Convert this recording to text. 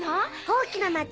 大きな町？